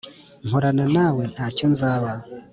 mporana nawe, ntacyo nzaba